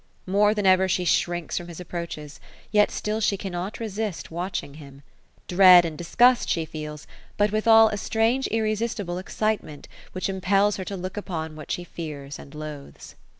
More than ever she shrinks from his approaches ; yet still she cannot resist watching him. Dread and disgust she feels ; but withal a strange irresistible excitement, which impels her to look upon that she fears and loathes.